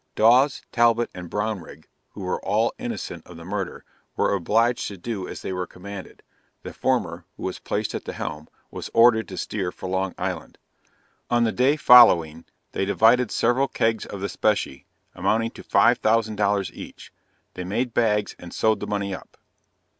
Dawes, Talbot and Brownrigg, (who were all innocent of the murder,) were obliged to do as they were commanded the former, who was placed at the helm, was ordered to steer for Long Island. On the day following, they divided several kegs of the specie, amounting to five thousand dollars each they made bags and sewed the money up.